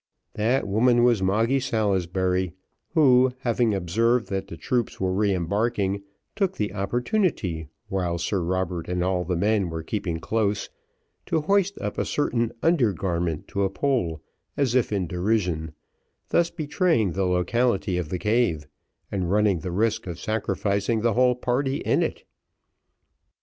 That woman was Moggy Salisbury, who, having observed that the troops were re embarking, took the opportunity, while Sir Robert and all the men were keeping close, to hoist up a certain under garment to a pole, as if in derision, thus betraying the locality of the cave, and running the risk of sacrificing the whole party in it.